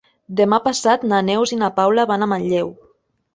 Demà passat na Neus i na Paula van a Manlleu.